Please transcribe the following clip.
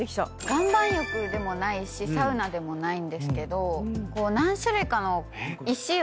岩盤浴でもないしサウナでもないんですけど何種類かの石を敷き詰めて。